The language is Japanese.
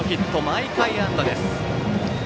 毎回安打です。